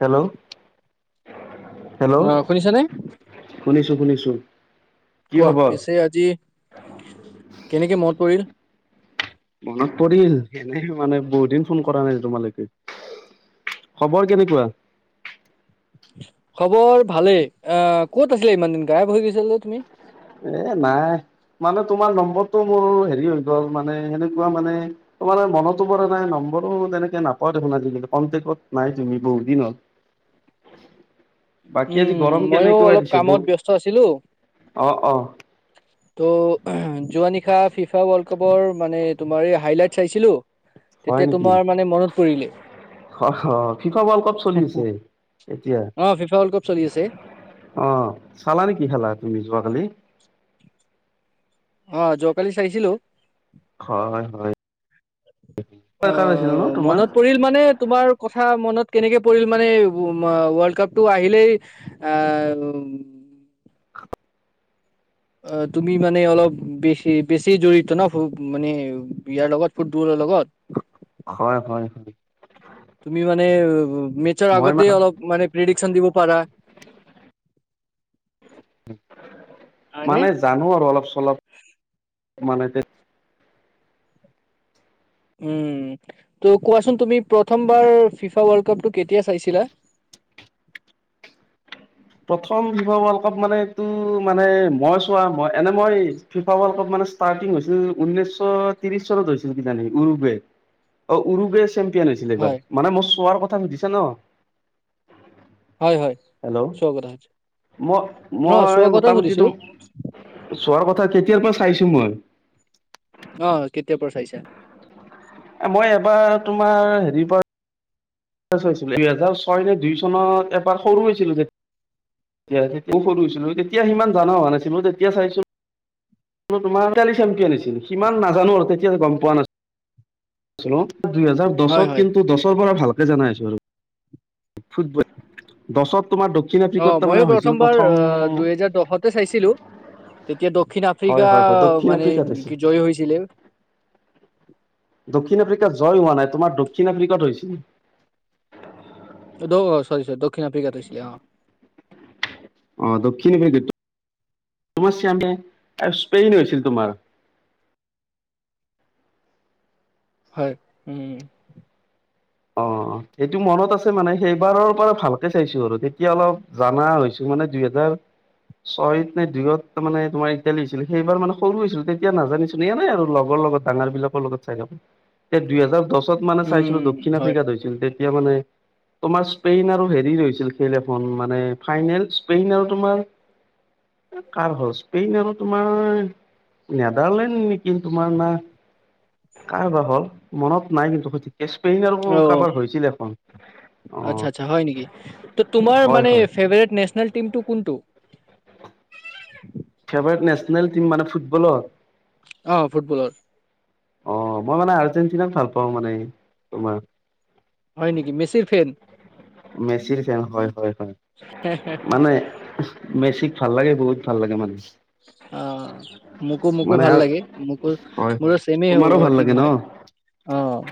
Hello অ, শুনিছা নে? শুনিছোঁ শুনিছোঁ। কোৱা পিছে আজি কেনেকে মনত পৰিল? মনত পৰিল এনে মানে বহুত দিন ফোন কৰা নাই তোমালৈকে। খবৰ কেনেকুৱা? খবৰ ভালেই এ, কত আছিলা ইমান দিন গায়াব হৈ গৈছিলা যে তুমি। এ নাই মানে তোমাৰ নম্বৰ টো মোৰ হেৰি হৈ গ'ল মানে সেনেকুৱা মানে তোমাৰ মনতো পৰা নাই নম্বৰো তেনেকে নাপায় [unintelligible] কন্টেক্টত নাই তুমি বহুত দিন হ'ল। বাকী আজি উম, গৰম ময়ো কেনেকুৱা অলপ দিছে ব কামত ব্যস্ত আছিলোঁ। অ অ ত' যোৱা নিশা ফিফা ৱৰ্ল্ড কাপৰ মানে তোমাৰ এই হাইলাইট চাইছিলোঁ তেতিয়া তোমাৰ মানে মনত পৰিলে। হ', হ', ফিফা ৱৰ্ল্ড কাপ চলি আছে এতিয়া। অ ফিফা ৱৰ্ল্ড কাপ চলি আছে অ', চালা নে কি খেলা তুমি যোৱাকালি। অ', যোৱাকালি চাইছিলোঁ। হয় হয় কাৰ আছিল ন অ', তোমাৰ মনত পৰিল মানে তোমাৰ কথা কথা মনত কেনেকে পৰিল মানে ৱৰ্ল্ড কাপটো আহিলেই আ [inaudible] অ', তুমি মানে অলপ বেছি বেছি জড়ত ন মানে ইয়াৰ লগত ফুটবলৰ লগত। হয়, হয়, হয়। তুমি মানে মেচৰ মই মা আগতে অলপ মানে প্ৰিডিকচন দিব পাৰা। [inaudible] হয়নে মানে জানো আৰু অলপ চলপ। মানে তে উম, ত' কোৱাচোন তুমি প্ৰথমবাৰ ফিফা ৱৰ্ল্ড কাপটো কেতিয়া চাইছিলা? [inaudible] প্ৰথম ফিফা ৱৰ্ল্ড কাপ মানেটো মানে মই চোৱা মই, এনে মই ফিফা ৱৰ্ল্ড কাপ মানে ষ্টাৰ্টিং হৈছিল উনৈশ শ ত্ৰিশ চনত হৈছিল কিজানি উৰুগুৱে অ' উৰুগুৱে চেম কি আনিছিলে এইবাৰ হয় মানে মই চোৱাৰ কথা সুধিছা ন। হয়, হয়, হেল্ল' চব। মই, মই কথা সুধিছো মোটামুটিতো চোৱাৰ কথা কেতিয়াৰ পৰা চাইছো মই। অ', কেতিয়া পৰা চাইছা? মই এবাৰ তোমাৰ হেৰি পৰা হৈছিল। দুইহেজাৰ ছয় নে, দুই চনত এবাৰ সৰু হৈছিলো যে। য়া তেতিয়া সৰু হৈছিলো। তেতিয়া সিমান জনা হোৱা নাছিলো। তেতিয়া চাইছো ম তোমাৰা, ইতালিছেমপিয়ন হৈছে। সিমান নাজানো আৰু তেতিয়া গম পোৱা না-ছিলো। দুইহেজাৰ হয় দচত হয় কিন্তু দচৰ পৰা ভালকে জানা হৈছো আৰু। ফুটবল দচত অ', ময়ো প্ৰথমবাৰ দুহেজাৰ দহতে চাইছিলো। তেতিয়া দক্ষিণ হয় আফ্ৰিকা হয় হয় দক্ষিণ মানে আফ্ৰিকাত হৈছিল কি জয় হৈছিলে। দক্ষিণ আফ্ৰিকা জয় হোৱা নাই, তোমাৰ দক্ষিণ আফ্ৰিকাত হৈছিল। চৰি চৰি দক্ষিণ আফ্ৰিকাত হৈছিলে অ'। অ', দক্ষিণ আফ্ৰিকাত তোমাৰ চিয়ামে তাৰ স্পেইন হৈছিল তোমাৰ। হয়, উম, উম, অ', সেইটো মনত আছে মানে সেইবাৰৰ পৰা ভালকে চাইছো আৰু তেতিয়া অলপ জানা হৈছো। মানে দুইহেজাৰ ছয়ত নে, দুইয়ত মানে তোমাৰ ইটালী হৈছিলে। সেইবাৰ মানে সৰু হৈছিলো তেতিয়া নাজানিছিলো এনেই আৰু লগৰ লগত ডাঙৰ বিলাকৰ লগত চাই থাকো। দুইহেজাৰ দহত মানে উম চাইছিলো দক্ষিণ হয় আফ্ৰিকাত হৈছিল। এতিয়া মানে তোমাৰ স্পেইন আৰু হেৰিৰ হৈছিল খেল এখন মানে, ফাইনেল স্পেইন আৰু তোমাৰ কাৰ হল স্পেইন আৰু তোমাৰ নেদাৰলেণ্ড নেকি? তোমাৰ না কাৰবাৰ হ'ল। মনত নাই কিন্তু সঠিককে স্পেইন আৰু অ', কাৰবাৰ হৈছিল এখন। অ আচ্ছা, আচ্ছা হয় নেকি। তো তোমাৰ হয় মানে হয় ফেভাৰেট নেচনেল টিমটো কোনটো? [unintelligible] ফেভাৰেট নেচনেল টিম মানে ফুটবলৰ? অ', ফুটবলৰ। অ', মই মানে আৰ্জেণ্টিনাক ভাল পাওঁ মানে। তোমাৰ হয় নেকি। মেচিৰ ফেন। মেচিৰ ফেন হয়, হয়, হয়। মানে মেচিক ভাল লাগে বহুত ভাল লাগে মানে। অ', মোকো, মোকো মানে ভাল লাগে মোকো হয় মোৰ হয় ছেমে তোমাৰো ভাল টিম লাগে ন হয়। অ',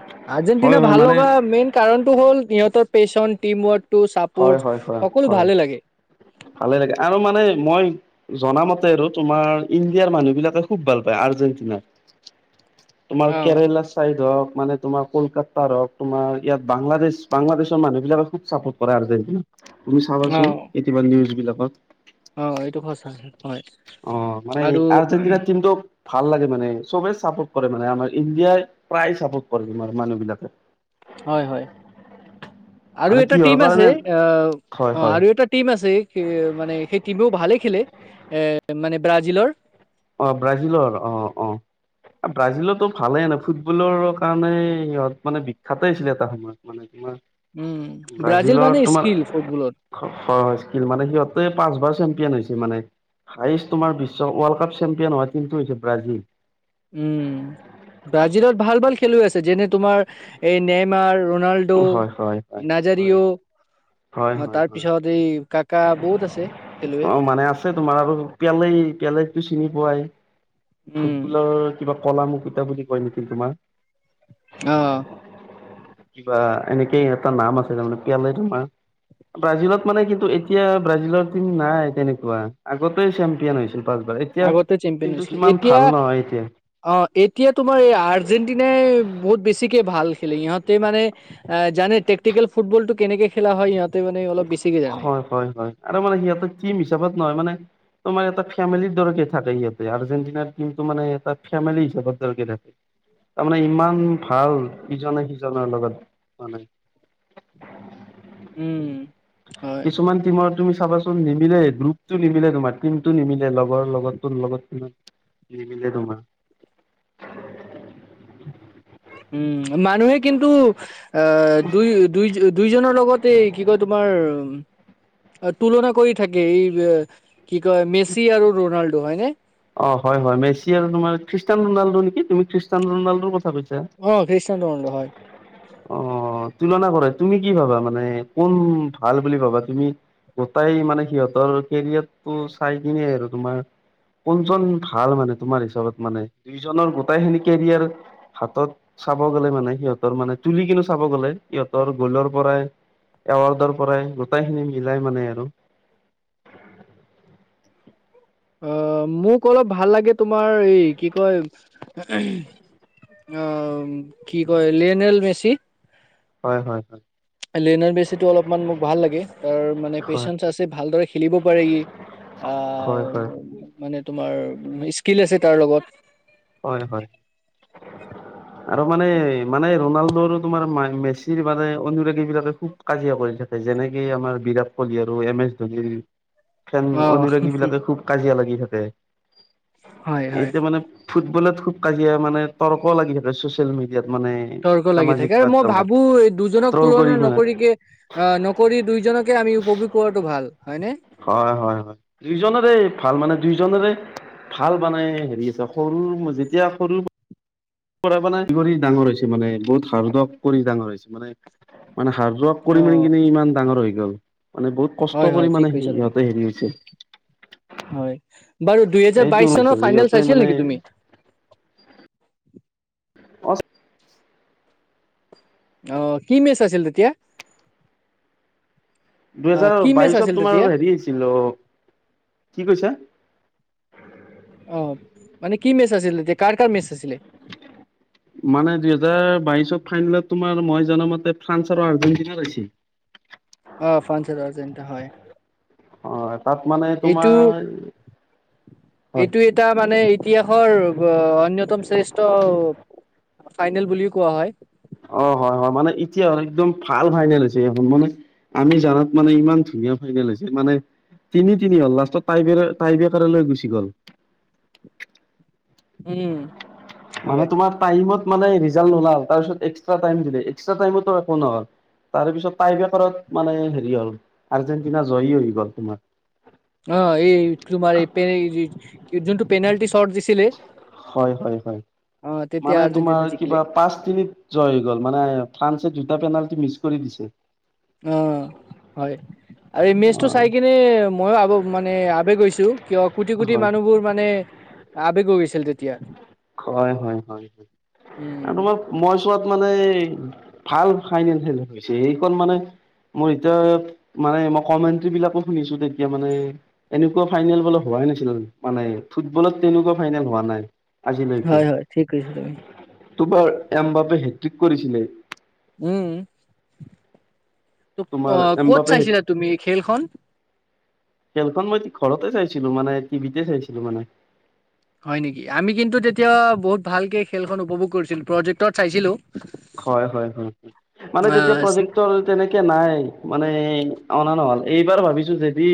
হয় আৰ্জেণ্টিনা হয় ভাল মানে লগা মেইন কাৰণটো হ'ল সিহঁতৰ পেশচন টিম ৱৰ্ড হয়, হয়, হয়, হয় ভালে লাগে আৰু মানে মই জনা মতে আৰু তোমাৰ ইণ্ডিয়াৰ মানুহ বিলাকে খুব ভাল পায় আৰ্জেণ্টিনাক। তোমাৰ অ', কেৰেলা চাইড হওক মানে তোমাৰ কলকাতাৰ হক। তোমাৰ ইয়াত বাংলাদেশ, বাংলাদেশৰ মানুহ বিলাকে খুব চাপোৰ্ট কৰে আৰ্জেণ্টিনাক। তুমি চাবাচোন অ', কেতিয়াবা নিউজ বিলাকত। অ এইটো সচা। অ মানে আৰ্জেণ্টিনাৰ টিমটো ভাল লাগে মানে, চবে চাপোৰ্ট কৰে মানে, আমাৰ ইণ্ডিয়াই প্ৰায় চাপোৰ্ট কৰে। তোমাৰ মানুহবিলাকে হয়। হয় আৰু মানে এটা কিহৰ টিম আছে কাৰণে অ হয় অ হয় আৰু এটা টিম আছে। স মানে সেই টিমেও ভালে খেলে এ মানে ব্ৰাজিলৰ। অ ব্ৰাজিলৰ অ অ ব্ৰাজিলতো ভালে ফুটবলৰ কাৰণে সিহঁত মানে বিখ্যতে আছিলে এটা সময়ত মানে তোমাৰ উম, ব্ৰাজিল ব্ৰাজিলৰ মানে তোমাৰ স্কিল ফুটবলত। হয় হয় স্ মানে সিহতে পাঁচবাৰ চে্প হৈছে মানে। হায়ষ্ট তোমাৰ বিশ্ব ৱৰ্ল্ড কাপ চেম্পিয়ন হোৱা টিমটো হৈছে ব্ৰাজিল। উম ব্ৰাজিলত ভাল ভাল খেলুৱৈ আছে। যেনে তোমাৰ এই নেমাৰ ৰনাল্ডো, হয় হয় হয় নজাৰিঅ হয় হয় অ হয় তাৰ হয় পিছত এই কাকা বহুত আছে খেলুৱৈ। কেলে টো চিনি পোৱাই উম, ফুটবলৰ কিবা কলা মুুকুটা বুলি কয় নেকি তোমাৰ। অ' কিবা এনেকেই এটা নাম আছে, তাৰমানে পিয়ালে তোমাৰ। ব্ৰাজিলত মানে কিন্তু এতিয়া ব্ৰাজিলৰ টিম নাই, তেনেকুৱা আগতে চেম্পিয়ন হৈছিল। পাঁচবাৰ এতিয়া আগতে চেম্পিয়ন কিন্তু হৈছিলে। সিমান এতিয়া ভাল নহয় এতিয়া অ' এতিয়া তোমাৰ এই আৰ্জেণ্টিনাই বহুত বেছিকে ভাল খেলে, ইহঁতে মানে জানে টেক্টিকেল ফুটবল টো কেনেকে খেলা হয়, ইহঁত হয়। হয়। হয়। আৰু মানে সিহঁতে টিম হিচাপত নহয় মানে তোমাৰ এটা ফেমিলিৰ দৰেকে থাকে ইহঁতে, আৰ্জেণ্টিনাৰ টিমটো মানে এটা ফেমিলি হিচাপৰ দৰেকে থাকে তাৰমানে ইমান ভাল ইজনে সিজনৰ লগত মানে [unintelligible] উম। হয়। কিছুমান টিমৰ তুমি চাবাচোন, নিমিলে গ্ৰুপতটো নিমিলে তোমাৰ কিন্তু নিমিলে লগৰ লগত তোৰ লগত কি নিমিলে তোমাৰ। [unintelligible] উম, মানুহে কিন্তু আহ দুই দুই দুইজনৰ লগত তেই কি কয় তোমাৰ তুলনা কৰি থাকে এই কি কয় মেচি আৰু ৰোনাল্ডো হয়নে। অ হয় মেছি আৰু তোমাৰ খ্ৰীষ্টান ৰোনাল্ড নেকি তুমি খ্ৰীষ্টান ৰোনাল্ডো কথা কৈছা। অ খ্ৰীষ্টান ৰনাল্ডো হয়। অ' তুলনা কৰে তুমি কি ভাবা মানে কোন ভাল বুলি ভাবা তুমি? গোটাই মানে সিহঁতৰ কেৰিয়াৰটো চাই কিনে আৰু তোমাৰ কোনজন ভাল মানে তোমাৰ হিচাপত মানে দুইজনৰ গোটেই খিনি কেৰিয়াৰ হাতত চাপ চাব গ'লে মানে সিহঁতৰ মানে তুলি কিনো চাব গ'লে সিহঁতৰ গ'লৰ পৰাই এৱাৰ্ডৰ পৰাই গোটেই খিনি মিলাই মানে আৰু অ' মোক অলপ ভাল লাগে তোমাৰ এই কি কয় অ' কি কয় লিঅ'নেল মেছি। হয়, হয়, হয়। লিঅ'নেল মেছি অলপমান মোক ভাল লাগে তাৰ মানে হয় হয় পেচেঞ্চ আছে, ভালদৰে খেলিব পাৰে ই। হয় হয় আহ, মানে তোমাৰ স্কিল আছে তাৰ লগত। হয়, হয়। আৰু মানে মানে ৰোনাল্ডো আৰু তোমাৰ মেচিৰ মানে অনুৰাগী বিলাকে খুব কাজিয়া কৰি থাকে। যেনেকে আমাৰ বিৰাট কোহলি আৰু এম এছ ধোনিৰ। অ অনুৰাগী বিলাকে খুব কাজিয়া লাগি থাকে, হয় হয় এতিয়া মানে ফুটবলত খুব কাজিয়া মানে তৰ্ক লাগি থাকে চ'ছেল মেডিয়াত। তৰ্ক লাগি থাকে আৰু মই ভাবো এই দুজনক ট্ৰল কৰি তুলনা মানে নকৰিকে অ' নকৰি দুইজনকে আমি উপভোগ কৰাটো ভাল হয় নে। হয়, হয়, হয়। দুইজনেৰে ভাল মানে দুইজনেৰে ভাল বানে হেৰি সৰু যেতিয়া সৰু পঢ়া পনা কৰি ডাঙৰ হৈছে, মানে বহুত হাৰ্ড ৱৰ্ক কৰি ডাঙৰ হৈছে মানে। মানে হাৰ্ড ৱৰ্ক অ কৰি মেলি কিননে ইমান ডাঙৰ হৈ গ'ল। মানে বহুত হয় কষ্ট হয় কৰি ঠিক মানে কৈছা সি তুমি সহঁতে হেৰি হৈছে হয়। বাৰু দুইহেজাৰ এইটো বাইশ ওলাইছিল চনৰ ফাইনেল সিহঁতে চাইছিলা মানে নেকি তুমি? অ' আহ, কি মেচ আছিল তেতিয়া। অ দুহেজাৰ কি মেচ বাইশত আছিল তেতিয়া? তোমাৰ হেৰি আছিল। অ' কি কৈছে। অ' মানে কি মেচ আছিল। তেতিয়া কাৰ কাৰ মেচ আছিলে। মানে দুহেজাৰ বাইচ্ছত ফাইনেলত তোমাৰ মই জন মতে ফ্ৰান্স আৰু আৰ্জেন্টিনা ৰৈছে। অ', ফ্ৰান্স আৰু আৰ্জেণ্টনা হয়। অ', তাত মানে এইটো তোমাৰ হয় এইটো এটা মানে ইতিহাসৰ অন্যতম শ্ৰেষ্ঠ ফাইনেল বুলিও কোৱা হয়। অ', হয়, হয়, মানে এতিয়া আৰু একদম ভাল ফাইনেল হৈছে এইখন মানে আমি জানাত মানে ইমান ধুনীয়া ফাইনেল হৈছে মানে তিনি তিনি হ'ল লাষ্টত টাইবে টাইবেকাৰ লৈ গুচি গল। উম। হয়। মানে তোমাৰ টাইমত মানে ৰিজাল্ট নোলাল তাৰপিছত এক্সাষ্টাৰ টাইমটো এক্সাষ্টাৰ টাইমটো একো নহ'ল। তাৰপিছত টাই বেকাৰত মানে হেৰি হ'ল আৰ্জেণ্টিনা জয়ী হৈ গ'ল তোমাৰ। অ' এই তোমাৰ যোনটো পেনাল্টি চট হয়, হয়, হয়। অ তেতিয়া মানে তোমাৰ আৰ্জেণ্টিনা জিকিলে কিবা পাঁচ তিনিত জয় হৈ গ'ল মানে ফ্ৰান্স দুটা পেনাল্টী মিছ কৰি দিছো। অ'। হয় আৰু এই মেচটো চাই হয় কিনে মইও আ, মানে আবেগ হৈছো। কিয় কোটি কোটি হয় মানুহবোৰ মানে আৱেগ হৈ গৈছিল তেতিয়া। হয়, হয়, হয়, আৰু উম তোমাৰ মই চোৱাত মানে ভাল ফাইনেল খেল হৈছে এইখন মানে মোৰ এতিয়া মানে, মই কমেন্ট্ৰী বিলাকো শুনিছো তেতিয়া মানে এনেকুৱা ফাইনেল বলে হো ভবাই নাছিল, মানে ফুটবলত তেনেকুৱা ফাইনেল হোৱা নাই। আজিলৈকে হয়, হয় ঠিক কৈছা তুমি। তোমাৰ এম বাপে হেট্ৰিক কৰিছিলে। উম। ত তোমাৰ অ', ক'ত এমবাপে হেট চাইছিলা তুমি খেলখন? খেলখন মই ঘৰতে চাইছিলো মানে টিভিতে চাইছিলো মানে। হয় নেকি! আমি কিন্তু তেতিয়া বহুত ভালকে খেলখন উপভোগ কৰিছিলো প্ৰজেক্টত চাইছিলো। হয়, হয়, হয়। মানে তেতিয়া আহ প্ৰজেক্টৰ তেনেকে নাই, মানে অনা নহল। এইবাৰ ভাবিছো যদি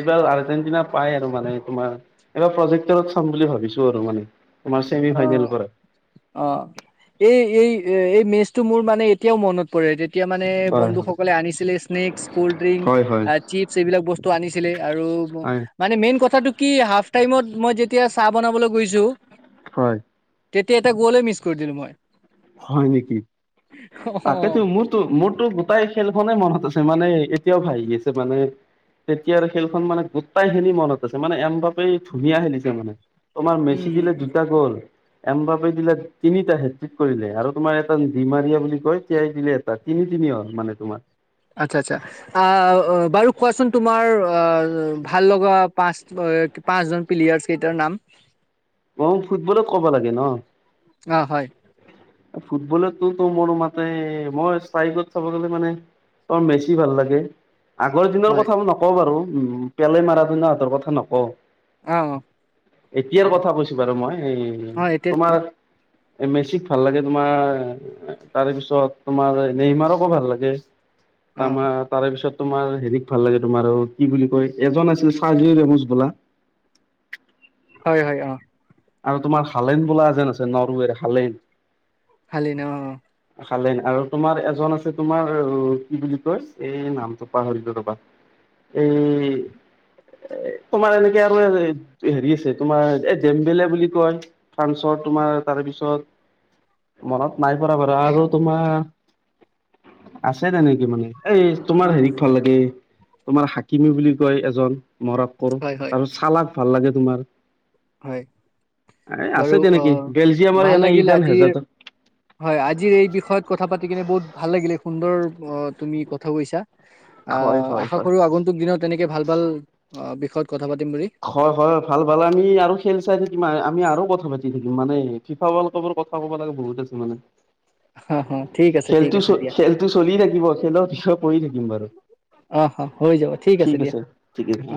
এইবাৰ আৰ্জেণ্টিনা পাই আৰু মানে তোমাৰ, এইবাৰ প্ৰজেক্টৰত চাম বুলি ভাবিছো আৰু মানে। তোমাৰ চছেমি অ ফাইনেল পৰা। অ', এই, এই, এই, মেচটো মোৰ মানে এতিয়াও মনত পৰে। এতিয়া মানে হয় হয় বন্ধুসকলে আনিছিলে স্নেকস, কোল্ড ড্ৰিংক, হয় হয় চিপছ, এইবিলাক বস্তু আনিছিলে আৰু হয় মানে মেইন কথাটো কি হাফ টাইমত মই যেতিয়া চাহ বনাবলৈ গৈছো হয়। তেতিয়া এটা গ'লেই মিছ কৰি দিলো মই। হয় নেকি? তাকেতো, অ', মোৰতো মোৰতো গোটাই খেল নে মনত আছে মানে এতিয়াও ভাহি আছে মানে তেতিয়া আৰু খেলখন মানে গোটাই খিনি মনত আছে মানে এন বাপেই ধুনীয়া খেলিছে মানে। তোমাৰ মেচি দিলে উম, দুটা গ'ল, এম বাপি দিলে তিনিটা হেত কৰিলে আৰু তোমাৰ এটা ডিমাৰিয়া বুলি কয়, তিয়াই দিলে এটা, তিনি তিনি হল মানে তোমাৰ। আচ্ছা আচ্ছা আহ বাৰু কোৱাচোন তোমাৰ অ ভাল লগা পাঁচ, পাঁচ জন প্লেয়াৰ্চ কেইটাৰ নাম। অ', ফুটবলে ক'ব লাগে ন? অ', হয়। ফুটবলো তো মোৰ মাতে মই চাইত চাব গলে মানে অ', মেছি ভাল লাগে। আগৰ দিনৰ হয় কথাব নকওঁ বাৰু, উম, পেলে মাৰদনা হতৰ কথা নকওঁ। অ', অ', এতিয়াৰ হ'ব কথা কৈছো বাৰু মই, অ', এতিয়া তোমাৰ এ মেচিক ভাল লাগে তোমাৰ, তাৰ পিছত তোমাৰ নেইমাৰকো ভাল লাগে। অ', তমাৰ তাৰে পিছত তোমাৰ হেৰিক ভাল লাগে তোমাৰ আৰু কি বুলি কয় এজন আছিলে চাৰ্জি ৰেমুজ বোলা। [unintelligible] হয়। হয়। অ। আৰু তোমাৰ হালেণ্ড বোলা যেন আছে। নৰৱেৰ হালেণ্ড। হালন অ অ হালেন আৰু তোমাৰ এজন আছে, তোমাৰ কি বুলি কয়? এই নামটো পাহৰিলো ৰবা এই এ তোমাৰ এনেকে আৰু হেৰি আছে তোমাৰ এ জেমবলেগ কয় ফ্ৰান্সৰ তোমাৰ, তাৰপিছত মনত নাই পৰা বাৰু আৰু তোমাৰ আছে তেনেকে মানে। এই তোমাৰ উম, হেৰিক ভাল লাগে, তোমাৰ হাকিমী বুলি কয় এজন। মৰক কৰো। হয় হয় তাৰপাছত চালাক ভাল লাগে তোমাৰ। হয়। এ বাৰু আছে অ তেনেকি বেলজিয়ামৰ ভাল এনে লাগিল ইডান আজিৰ হেজাৰত হয় আজিৰ এই বিষয়ত কথা পাতি কিনে বহুত ভাল লাগিলে। সুন্দৰ অ তুমি কথা কৈছা। হয় আহ। হয় আশা হয় কৰো আগন্তুক দিনত তেনেকে ভাল ভাল বিষয়ত কথা পাতিম বুলি হয়। হয়। হয়। ভাল ভাল আমি আৰু খেল চাই থেকিমা আমি আৰু কথা পাতি থাকিম, মানে ফিফালৰ কথা ক'ব লাগে বহুত আছে মানে। হ হ ঠিক আছে ঠিক খেলটো চ আছে দিয়া খেলটো চলি থাকিব। খেলৰ বিষ কৈ থাকিম বাৰু। আহ অ হৈ যাব ঠিক আছে দিয়া। অ